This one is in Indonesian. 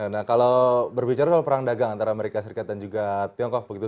nah kalau berbicara soal perang dagang antara amerika serikat dan juga tiongkok begitu